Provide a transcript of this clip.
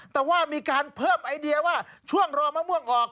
แต่ว่ามีการเพิ่มไอเดียว่าช่วงรอมะม่วงออก